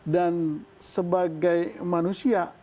dan sebagai manusia